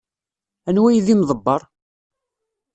Anwa ay d imḍebber?